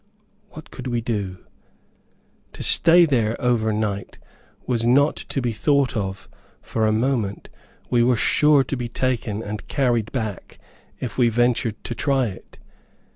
What could we do? To stay there over night, was not to be thought of for a moment. We were sure to be taken, and carried back, if we ventured to try it.